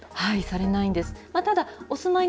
されないんです。